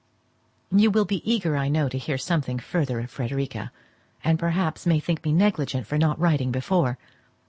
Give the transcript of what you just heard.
You will be eager, I know, to hear something further of Frederica, and perhaps may think me negligent for not writing before.